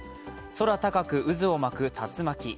空高く渦を巻く竜巻。